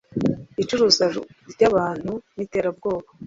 icuruzwa ry’abantu n’iterabwoba